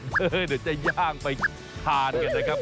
เดี๋ยวจะย่างไปทานกันนะครับ